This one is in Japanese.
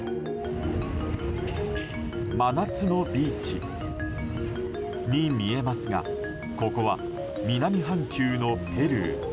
真夏のビーチに見えますがここは、南半球のペルー。